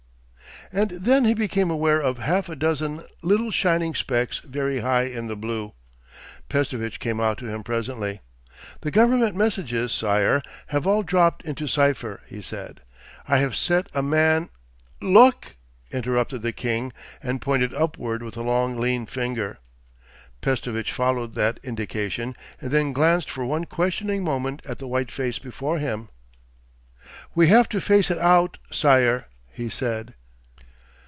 And then he became aware of half a dozen little shining specks very high in the blue.... Pestovitch came out to him presently. 'The government messages, sire, have all dropped into cipher,' he said. 'I have set a man——' 'look!' interrupted the king, and pointed upward with a long, lean finger. Pestovitch followed that indication and then glanced for one questioning moment at the white face before him. 'We have to face it out, sire,' he said.